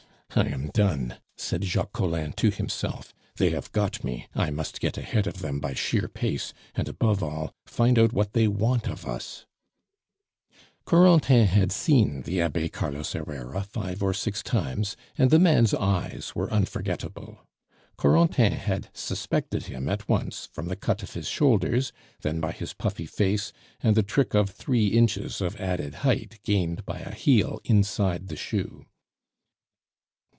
"I am done!" said Jacques Collin to himself. "They have got me. I must get ahead of them by sheer pace, and, above all, find out what they want of us." Corentin had seen the Abbe Carlos Herrera five or six times, and the man's eyes were unforgettable. Corentin had suspected him at once from the cut of his shoulders, then by his puffy face, and the trick of three inches of added height gained by a heel inside the shoe.